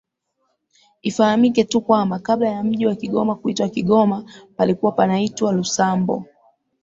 Ifahamike tu kwamba kabla ya mji wa Kigoma kuitwa Kigoma palikuwa panaitwa Lusambo